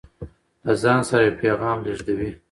له ځان سره يو پيغام لېږدوي